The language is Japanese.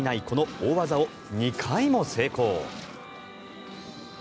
この大技を２回も成功。